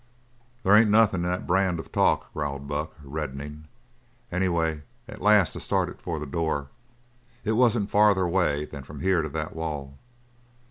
"They ain't nothin' in that brand of talk," growled Buck, reddening. "Anyway, at last I started for the door. It wasn't farther away than from here to the wall.